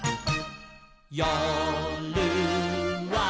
「よるは」